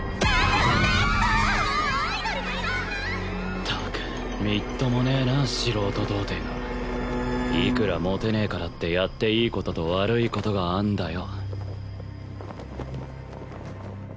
ったくみっともねえな素人童貞がいくらモテねえからってやっていいことと悪いことがあんだよ